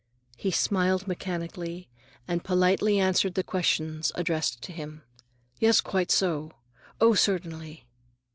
He smiled mechanically, and politely answered questions addressed to him. "Yes, quite so." "Oh, certainly."